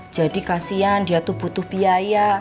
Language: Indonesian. jadi kasihan dia tuh butuh biaya